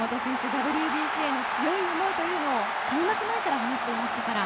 ＷＢＣへの強い思いを開幕前から話していましたから。